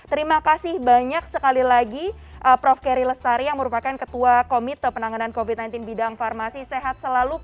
terima kasih banyak sekali lagi prof keri lestari yang merupakan ketua komite penanganan covid sembilan belas bidang farmasi sehat selalu